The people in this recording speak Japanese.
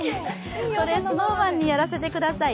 「それＳｎｏｗＭａｎにやらせて下さい」